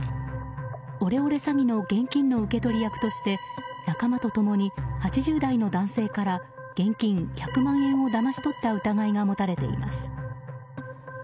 オレオレ詐欺の現金の受け取り役として仲間と共に８０代の男性から現金１００万円をだまし取った疑いが持たれています。